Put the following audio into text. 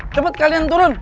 cepet kalian turun